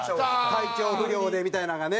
体調不良でみたいなんがね。